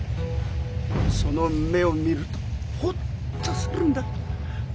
その目を見るとホッとするんだ。